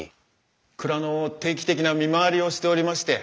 蔵の定期的な見回りをしておりまして。